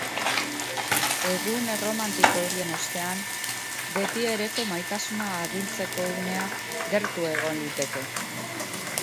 Egun erromantiko horien ostean, betiereko maitasuna agintzeko unea gertu egon liteke.